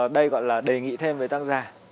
đây gọi là đề nghị thêm với tác giả